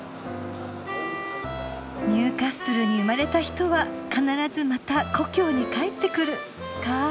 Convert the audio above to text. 「ニューカッスルに生まれた人は必ずまた故郷に帰ってくる」かぁ。